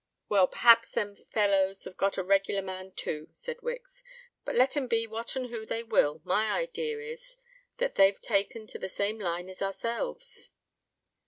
"Well—p'rhaps them fellows have got a reg'lar man too," said Wicks. "But let 'em be what and who they will, my idea is, that they've taken to the same line as ourselves."